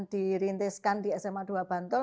dirintiskan di sma dua bantul